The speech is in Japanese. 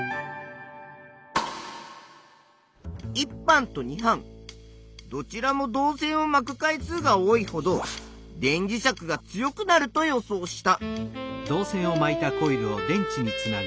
１班と２班どちらも導線を「まく回数」が多いほど電磁石が強くなると予想した。